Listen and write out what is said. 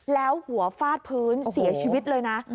แล้วหัวฟาดพื้นเสียชีวิตเลยนะ